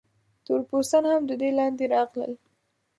تور پوستان هم د دې لاندې راغلل.